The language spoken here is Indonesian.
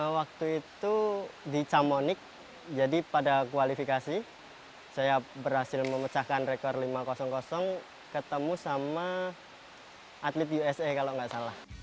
waktu itu di chamonic jadi pada kualifikasi saya berhasil memecahkan rekor lima ketemu sama atlet usa kalau nggak salah